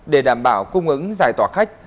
để đảm bảo cung ứng giải tỏa khách